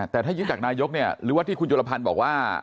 แต่ถ้ายุ่งจากนายกหรือว่าที่คุณจุฬพันธ์บอกว่า